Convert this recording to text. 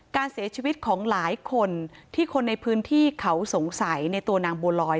การเสียชีวิตของหลายคนที่คนในพื้นที่เขาสงสัยในตัวนางบัวลอย